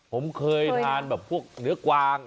ผมเคยทานแบบพวกเนื้อกวาง